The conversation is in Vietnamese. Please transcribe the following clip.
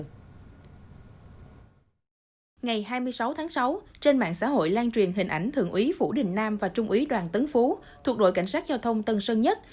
ngày hai mươi sáu tháng sáu trên mạng xã hội lan truyền hình ảnh thượng úy phủ đình nam và trung úy đoàn tấn phú thuộc đội cảnh sát giao thông tân sơn nhất